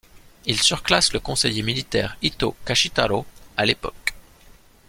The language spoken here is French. Il surclasse le conseiller militaire Ito Kashitaro à l'époque.